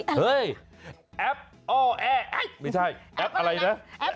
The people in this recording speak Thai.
เฮ้ยแอปอ้อแอปไม่ใช่แอปอะไรนะ